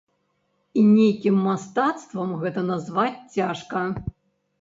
І нейкім мастацтвам гэта назваць цяжка.